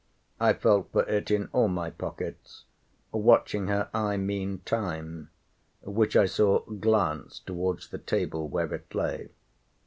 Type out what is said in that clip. I felt for it in all my pockets, watching her eye mean time, which I saw glance towards the table where it lay.